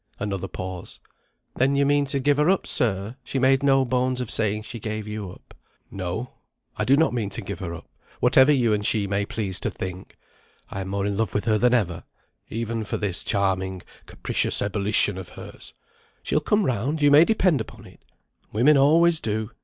Another pause. "Then you mean to give her up, sir? She made no bones of saying she gave you up." "No, I do not mean to give her up, whatever you and she may please to think. I am more in love with her than ever; even for this charming capricious ebullition of hers. She'll come round, you may depend upon it. Women always do.